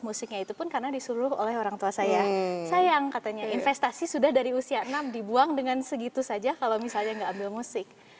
musiknya itu pun karena disuruh oleh orang tua saya sayang katanya investasi sudah dari usia enam dibuang dengan segitu saja kalau misalnya nggak ambil musik